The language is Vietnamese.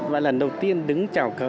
và lần đầu tiên đứng chào cờ